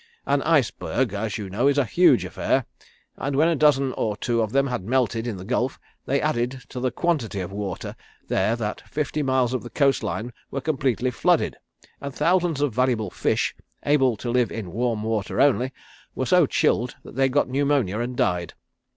An iceberg, as you know, is a huge affair, and when a dozen or two of them had melted in the Gulf they added so to the quantity of water there that fifty miles of the coast line were completely flooded, and thousands of valuable fish, able to live in warm water only, were so chilled that they got pneumonia, and died.